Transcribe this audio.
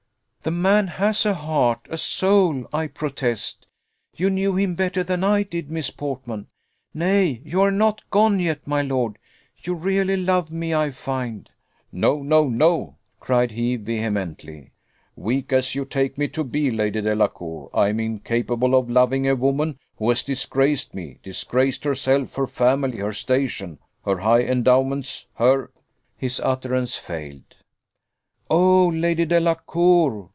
"The man has a heart, a soul, I protest! You knew him better than I did, Miss Portman. Nay, you are not gone yet, my lord! You really love me, I find." "No, no, no," cried he, vehemently: "weak as you take me to be, Lady Delacour, I am incapable of loving a woman who has disgraced me, disgraced herself, her family, her station, her high endowments, her " His utterance failed. "Oh, Lady Delacour!"